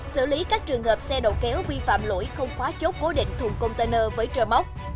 xử lý các trường hợp xe đầu kéo vi phạm lỗi không khóa chốt cố định thùng container với trơ móc